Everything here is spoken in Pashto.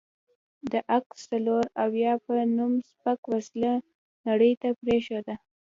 د اک څلوراویا په نوم سپکه وسله نړۍ ته پرېښوده.